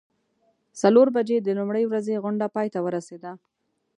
څلور بجې د لومړۍ ورځې غونډه پای ته ورسیده.